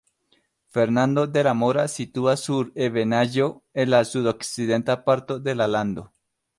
Fernando de la Mora situas sur ebenaĵo en la sudokcidenta parto de la lando.